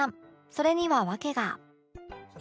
それには訳が